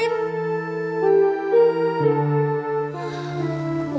nggak mau ngapain